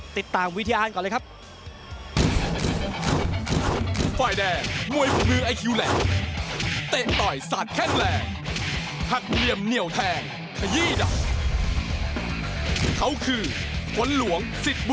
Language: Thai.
ติดตามวิญญาณก่อนเลยครับ